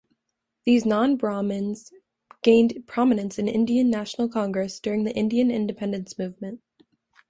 These non-Brahmins gained prominence in Indian National Congress during the Indian independence movement.